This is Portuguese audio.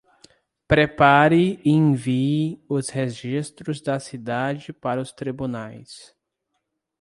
Prepare e envie os registros da cidade para os tribunais.